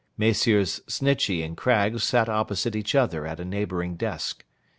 Messrs. Snitchey and Craggs sat opposite each other at a neighbouring desk.